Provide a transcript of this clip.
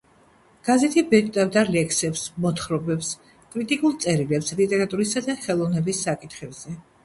გაზეთი ბეჭდავდა ლექსებს, მოთხრობებს, კრიტიკულ წერილებს ლიტერატურისა და ხელოვნების საკითხებზე.